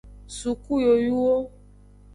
Suku yoyuwo.